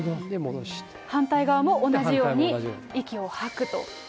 反対側も同じように息を吐くと。